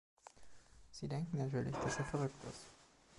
Sie denken natürlich, dass er verrückt ist.